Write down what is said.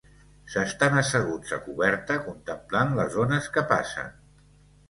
S'estàn asseguts a coberta contemplant les ones que passen